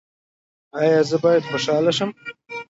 ایا زه باید خوشحاله شم؟